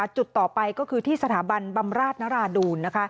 จุดต่อไปก็คือที่สถาบันบำราชนราดูล